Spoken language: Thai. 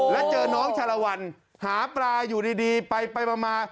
แล้วเจอน้องชาลวันหาปลาอยู่ดีไปมา